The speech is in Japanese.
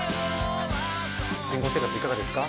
新婚生活いかがですか？